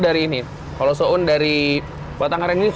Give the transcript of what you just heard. dengan yang howard lihat di mermaid her fears